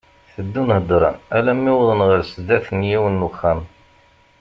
Teddun heddren alammi wwḍen ɣer sdat n yiwen n uxxam.